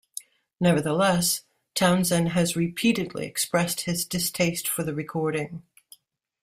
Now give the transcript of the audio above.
Nevertheless, Townsend has repeatedly expressed his distaste for the recording.